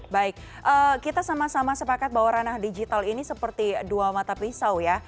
baik kita sama sama sepakat bahwa ranah digital ini seperti dua mata pisau ya